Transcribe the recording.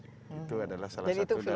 itu adalah salah satu dari